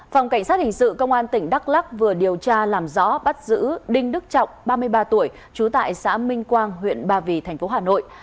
phòng cảnh sát hình sự công an tỉnh đắk lắc vừa điều tra làm rõ bắt giữ đinh đức trọng ba mươi ba tuổi trú tại xã minh quang huyện ba vì thành phố hà nội